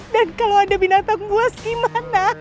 dan kalo ada binatang buas gimana